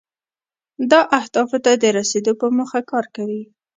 دا اهدافو ته د رسیدو په موخه کار کوي.